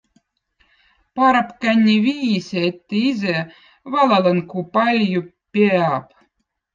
Parõp kanni viisi, etti ize valõlõn ku paľľo piäb.